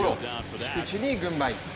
菊池に軍配。